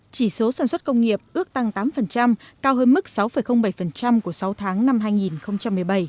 chỉ số sản xuất công nghiệp ước tăng tám cao hơn mức sáu bảy của sáu tháng năm hai nghìn một mươi bảy